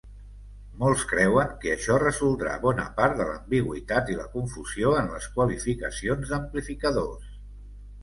Molts creuen que això resoldrà bona part de l'ambigüitat i la confusió en les qualificacions d'amplificadors.